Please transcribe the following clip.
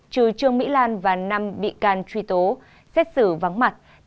trừ trương mỹ lan và năm bị can truy tố xét xử vắng mặt